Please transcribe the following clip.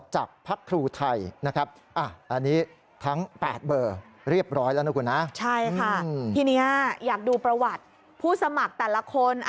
ใช่ค่ะทีนี้อยากดูประวัติผู้สมัครแต่ละคน